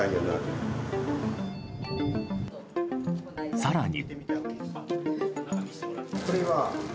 更に。